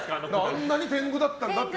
あんなに天狗だったんだって。